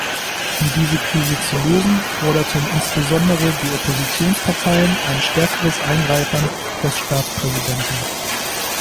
Um diese Krise zu lösen, forderten insbesondere die Oppositionsparteien ein stärkeres Eingreifen des Staatspräsidenten.